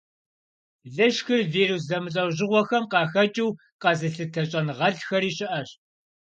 Лышхыр вирус зэмылӀэужьыгъуэхэм къыхэкӀыу къэзылъытэ щӀэныгъэлӀхэри щыӀэщ.